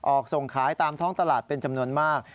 ส่งขายตามท้องตลาดเป็นจำนวนมาก